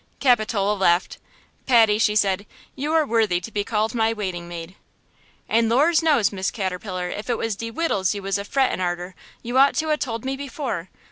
Capitola laughed. "Patty " she said, "you are worthy to be called my waiting maid!" "And Lors knows, Miss Caterpillar, if it was de wittels you was a frettin' arter, you ought to a told me before!